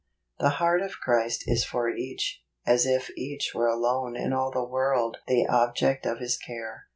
The heart of Christ is for each, as if each were alone in all the world the object of His care.